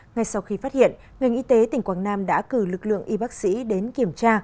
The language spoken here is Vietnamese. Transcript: ngay sau khi phát hiện ngành y tế tỉnh quảng nam đã cử lực lượng y bác sĩ đến kiểm tra